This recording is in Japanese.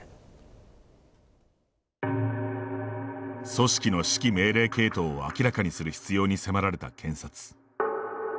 組織の指揮命令系統を明らかにする必要に迫られた検察。